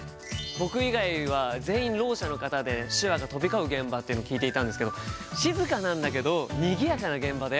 僕以外は全員ろう者の方で手話が飛び交う現場というのを聞いていたんですけど静かなんだけどにぎやかな現場だよって。